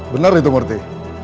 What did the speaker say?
bener itu murti